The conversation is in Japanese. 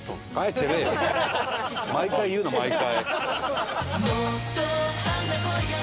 毎回言うな毎回。